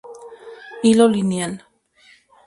Hilo lineal.